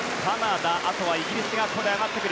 あとはイギリスが上がってくる。